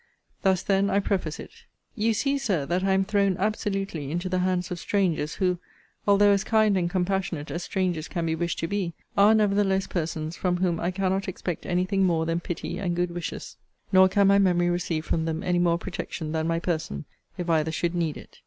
Thus, then, I preface it: 'You see, Sir, that I am thrown absolutely into the hands of strangers, who, although as kind and compassionate as strangers can be wished to be, are, nevertheless, persons from whom I cannot expect any thing more than pity and good wishes; nor can my memory receive from them any more protection than my person, if either should need it.